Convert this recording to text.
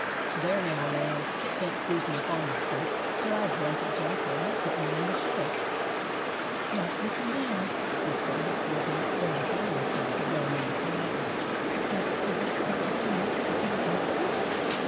"There, now, Nan, take Aunt Susan up on the stoop, till I blanket Jocko and put him in the shed." "Now, Missy Nan," whispered Aunt Susan, when they found themselves alone on the piazza, "does I look 'spectable nuff to see de President?"